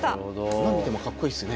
今見てもかっこいいですね。